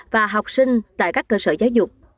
và học sinh tại các cơ sở giáo dục